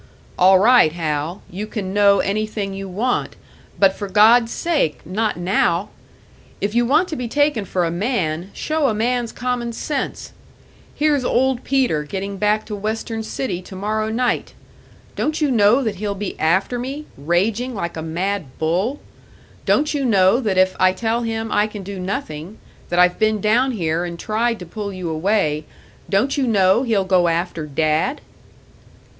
"All right, Hal you can know anything you want; but for God's sake, not now! If you want to be taken for a man, show a man's common sense! Here's Old Peter getting back to Western City to morrow night! Don't you know that he'll be after me, raging like a mad bull? Don't you know that if I tell him I can do nothing that I've been down here and tried to pull you away don't you know he'll go after Dad?"